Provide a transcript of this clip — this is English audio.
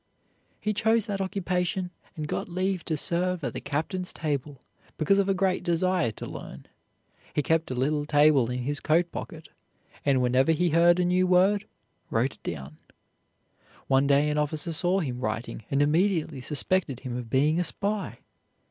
He chose that occupation and got leave to serve at the captain's table because of a great desire to learn. He kept a little tablet in his coat pocket, and whenever he heard a new word wrote it down. One day an officer saw him writing and immediately suspected him of being a spy.